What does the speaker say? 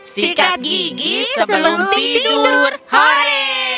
sikat gigi sebelum tidur hari